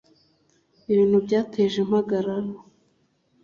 ibintu byateje impagarara